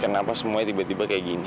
kenapa semuanya tiba tiba kayak gini